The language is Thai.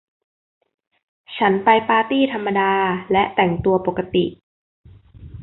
ฉันไปปาร์ตี้ธรรมดา และแต่งตัวปกติ